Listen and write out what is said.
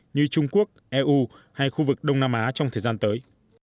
như trung quốc eu hay khu vực đông nam á trong thời gian tới